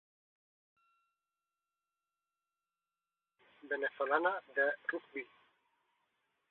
Fue organizado por la Federación Venezolana de Rugby.